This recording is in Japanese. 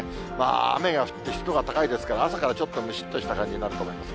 雨が降って湿度が高いですから、朝からちょっとむしっとした感じになると思います。